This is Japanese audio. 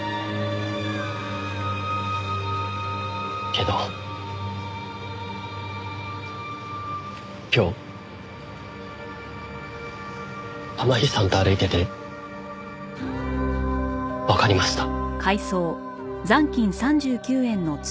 けど今日天樹さんと歩いててわかりました。